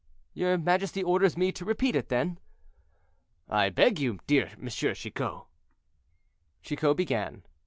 "Your majesty orders me to repeat it, then?" "I beg you, dear M. Chicot." Chicot began.